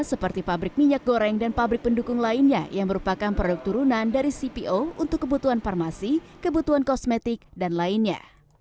seperti pabrik minyak goreng dan pabrik pendukung lainnya yang merupakan produk turunan dari cpo untuk kebutuhan farmasi kebutuhan kosmetik dan lainnya